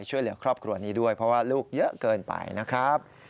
ช่วยเหลือครอบครัวนี้ด้วยเพราะว่าลูกเยอะเกินไปนะครับ